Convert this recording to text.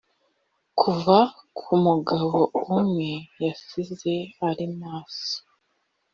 kuva ku mugabo umwe yasize ari maso: